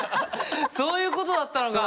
そういうことだったのか！